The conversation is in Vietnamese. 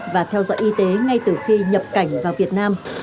và theo dõi y tế ngay từ khi nhập cảnh vào việt nam